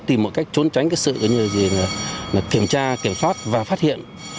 tìm một cách trốn tránh cái sự kiểm tra kiểm soát và phát hiện